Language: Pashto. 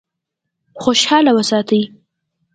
خوشاله وساتي.